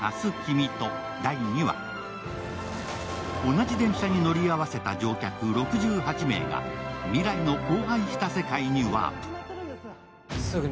同じ電車に乗り合わせた乗客６８名が未来の荒廃した世界にワープ。